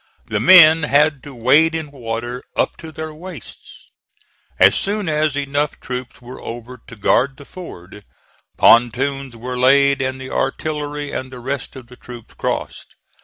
The men had to wade in water up to their waists. As soon as enough troops were over to guard the ford, pontoons were laid and the artillery and the rest of the troops crossed.